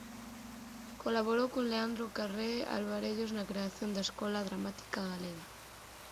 Colaborou con Leandro Carré Alvarellos na creación da Escola Dramática Galega.